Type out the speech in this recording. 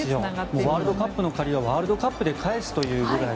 ワールドカップの借りはワールドカップで返すというぐらい。